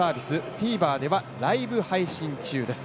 ＴＶｅｒではライブ配信中です。